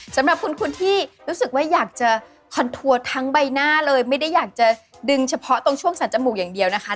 สำหรับคุณที่รู้สึกว่าอยากจะคอนทัวร์ทั้งใบหน้าเลยไม่ได้อยากจะดึงเฉพาะตรงช่วงสรรจมูกอย่างเดียวนะคะ